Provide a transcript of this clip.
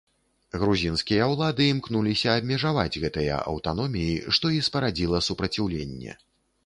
Грузінскія ўлады імкнуліся абмежаваць гэтыя аўтаноміі, што і спарадзіла супраціўленне.